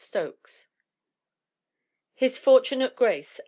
Stokes. His Fortunate Grace, 1897.